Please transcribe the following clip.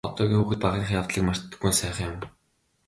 Одоогийн хүүхэд багынхаа явдлыг мартдаггүй нь сайхан юм.